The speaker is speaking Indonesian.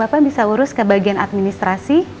bapak bisa urus ke bagian administrasi